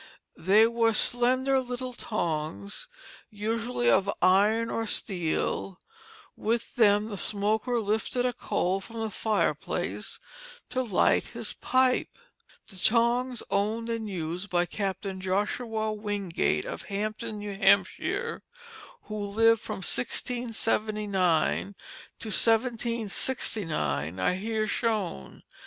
They were slender little tongs, usually of iron or steel; with them the smoker lifted a coal from the fireplace to light his pipe. The tongs owned and used by Captain Joshua Wingate, of Hampton, New Hampshire, who lived from 1679 to 1769, are here shown.